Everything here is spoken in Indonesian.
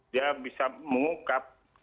dia bisa mengungkap